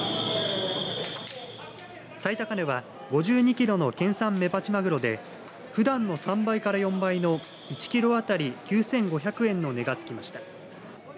最高値は、５２キロの県産メバチマグロでふだんの３倍から４倍の１キロあたり９５００円の値がつきました。